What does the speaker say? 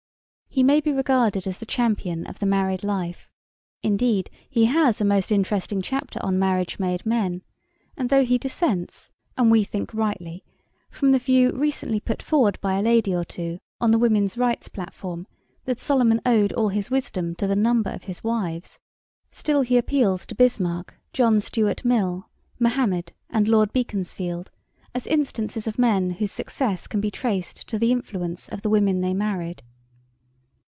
He may be regarded as the champion of the married life. Indeed, he has a most interesting chapter on marriage made men, and though he dissents, and we think rightly, from the view recently put forward by a lady or two on the Women's Rights platform that Solomon owed all his wisdom to the number of his wives, still he appeals to Bismarck, John Stuart Mill, Mahommed and Lord Beaconsfield, as instances of men whose success can be traced to the influence of the women they married.